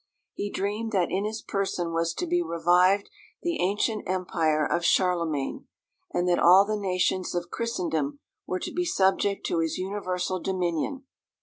He dreamed that in his person was to be revived the ancient empire of Charlemagne, and that all the nations of Christendom were to be subject to his universal dominion.